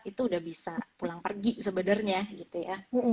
itu udah bisa pulang pergi sebenarnya gitu ya